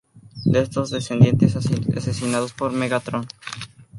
De estos descendientes asesinados por Megatron.